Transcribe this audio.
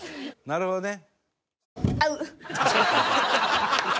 なるほどね。